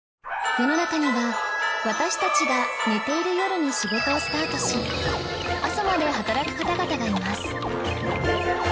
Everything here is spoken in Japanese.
世の中には私たちが寝ている夜に仕事をスタートし朝まで働く方々がいます